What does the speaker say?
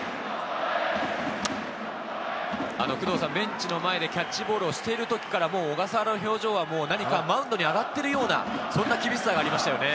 ベンチの前でキャッチボールをしている時から小笠原の表情は何かマウンドに上がっているような、そんな厳しさがありましたね。